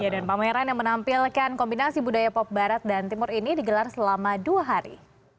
dan pameran yang menampilkan kombinasi budaya pop barat dan timur ini digelar selama dua hari